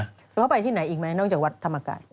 แล้วเขาไปที่ไหนอีกไหมนอกจากวัดธรรมกาย